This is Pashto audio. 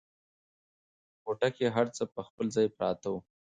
کوټه کې هر څه پر خپل ځای پراته وو.